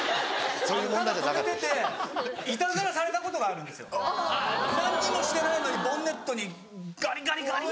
ただ止めてていたずらされたことがあるんです何にもしてないのにボンネットにガリガリガリ。